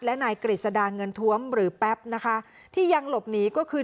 และนายกฤษดาเงินทวมหรือแป๊บนะคะที่ยังหลบหนีก็คือ